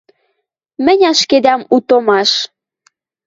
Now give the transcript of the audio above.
Мӹнь ашкедӓм у томаш.